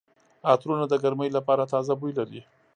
عطرونه د ګرمۍ لپاره تازه بوی لري.